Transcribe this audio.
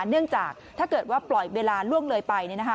เนื่องจากถ้าเกิดว่าปล่อยเวลาล่วงเลยไป